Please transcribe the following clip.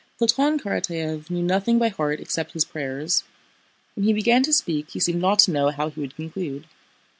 Platón Karatáev knew nothing by heart except his prayers. When he began to speak he seemed not to know how he would conclude.